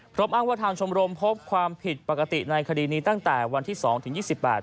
อ้างว่าทางชมรมพบความผิดปกติในคดีนี้ตั้งแต่วันที่สองถึงยี่สิบแปด